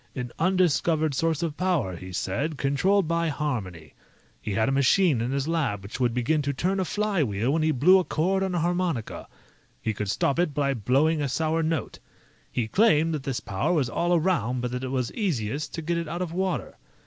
An undiscovered source of power, he said, controlled by harmony. He had a machine in his lab which would begin to turn a flywheel when he blew a chord on a harmonica. He could stop it by blowing a sour note. He claimed that this power was all around, but that it was easiest to get it out of water.